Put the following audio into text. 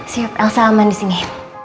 siap elsa aman disini